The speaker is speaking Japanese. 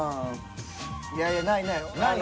いやいやないない。